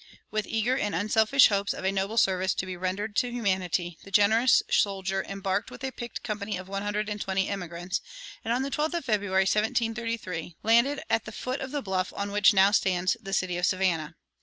With eager and unselfish hopes of a noble service to be rendered to humanity, the generous soldier embarked with a picked company of one hundred and twenty emigrants, and on the 12th of February, 1733, landed at the foot of the bluff on which now stands the city of Savannah.